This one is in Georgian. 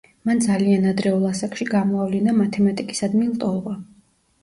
მან ძალიან ადრეულ ასაკში გამოავლინა მათემატიკისადმი ლტოლვა.